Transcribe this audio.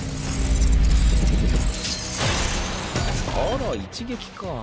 あら一撃か。